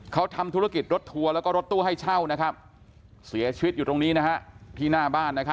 เขาทำธุรกิจรถทัวร์แล้วก็รถตู้ให้เช่าเสียชีวิตอยู่ตรงนี้ที่หน้าบ้าน